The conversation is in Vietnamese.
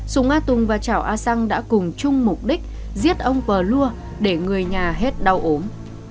sùng a tùng và chảo a sang đã cùng chung mục đích giết ông pờ luôn để người nhà hết đau ốm